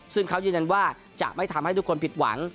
ซึ่งเขายืนยันว่าจะไม่ทำให้ทุกคนผิดหวัง